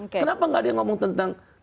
kenapa tidak ada yang berbicara tentang